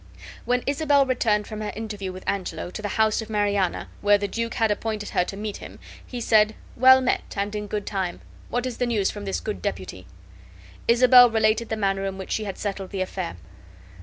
When Isabel returned from her interview with Angelo, to the house of Mariana, where the duke had appointed her to meet him, he said: "Well met, and in good time. What is the news from this good deputy?" Isabel related the manner in which she had settled the affair.